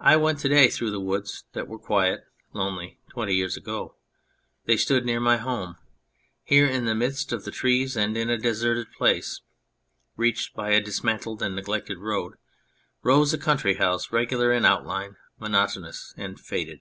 I went to day through woods that were quite lonely twenty years ago. They stood near my home. Here, in the midst of the trees, and in a deserted place reached by a dismantled and neglected road, rose a country house, regular in outline, monotonous, and faded.